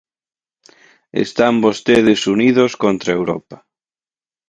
Están vostedes unidos contra Europa.